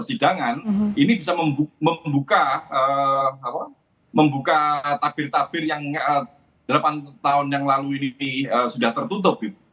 sidangan ini bisa membuka tabir tabir yang delapan tahun yang lalu ini sudah tertutup